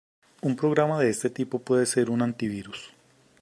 Un programa de este tipo puede ser un antivirus.